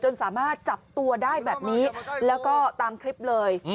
สามารถจับตัวได้แบบนี้แล้วก็ตามคลิปเลย